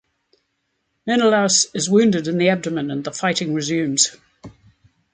Menelaus is wounded in the abdomen, and the fighting resumes.